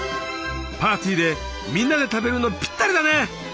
パーティーでみんなで食べるのぴったりだね。